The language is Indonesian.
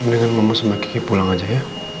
mendingan mama sembah kiki pulang aja ya